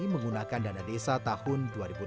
menggunakan dana desa tahun dua ribu enam belas